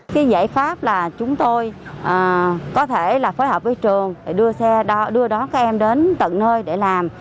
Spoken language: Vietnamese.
cái giải pháp là chúng tôi có thể là phối hợp với trường để đưa xe đưa đón các em đến tận nơi để làm